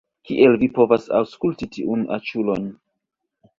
Kiel vi povas aŭskulti tiun aĉulon?